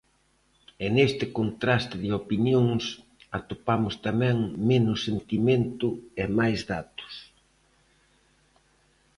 E neste contraste de opinións atopamos tamén menos sentimento e máis datos.